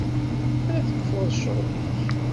Melmi ara tekfuḍ cceɣl-ik?